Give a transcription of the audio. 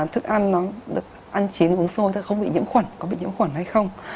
thức ăn nó được ăn chín uống sôi thôi không bị nhiễm khuẩn có bị nhiễm khuẩn hay không